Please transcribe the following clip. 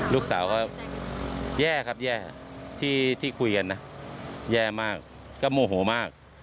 ลูกสาวก็แย่ครับแย่ที่คุยกันนะแย่มากก็โมโหมาก